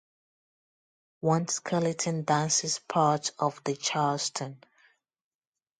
One skeleton dances part of the Charleston.